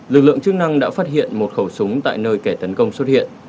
lực lượng chức năng đã phát hiện một khẩu súng tại nơi kẻ tấn công xuất hiện